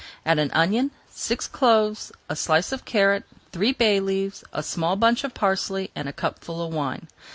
Add an onion, six cloves, a slice of carrot, three bay leaves, a small bunch of parsley, and a cupful of wine.